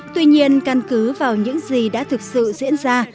tuy nhiên căn cứ vào những gì đã thực sự diễn ra